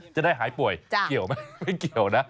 จะได้หายป่วยเกี่ยวไหมไม่เกี่ยวนะ